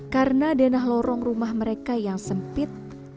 karena denah lorong rumah mereka yang sempit